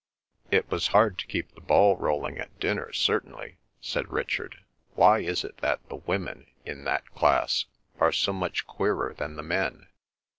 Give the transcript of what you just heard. "It was hard to keep the ball rolling at dinner, certainly," said Richard. "Why is it that the women, in that class, are so much queerer than the men?"